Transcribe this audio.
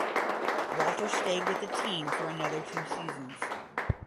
Walter stayed with the team for another two seasons.